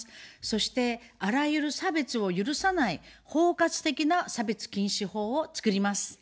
そして、あらゆる差別を許さない、包括的な差別禁止法を作ります。